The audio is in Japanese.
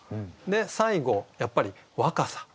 最後やっぱり「若さ」。